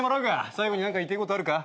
最後に何か言いてえことあるか？